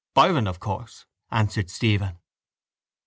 —Byron, of course, answered Stephen.